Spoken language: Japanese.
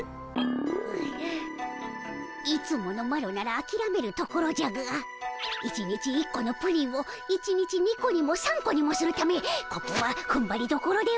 うぐいつものマロならあきらめるところじゃが１日１個のプリンを１日２個にも３個にもするためここはふんばりどころでおじゃる。